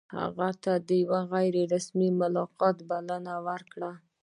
هغه ته د یوه غیر رسمي ملاقات بلنه ورکړه.